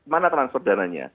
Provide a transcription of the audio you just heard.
mana transfer dananya